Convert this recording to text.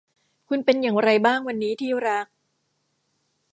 คุณเป็นอย่างไรบ้างวันนี้ที่รัก